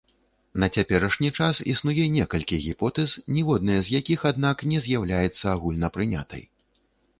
На цяперашні час існуе некалькі гіпотэз, ніводная з якіх, аднак, не з'яўляецца агульнапрынятай.